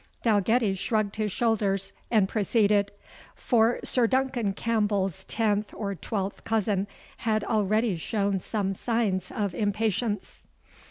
Dalgetty shrugged his shoulders and proceeded, for Sir Duncan Campbell's tenth or twelfth cousin had already shown some signs of impatience.